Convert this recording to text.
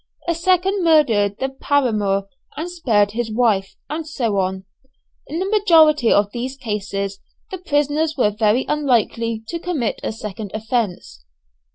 A second murdered the paramour and spared his wife, and so on. In the majority of these cases, the prisoners were very unlikely to commit a second offence.